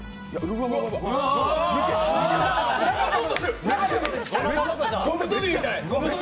ゴム跳びみたい。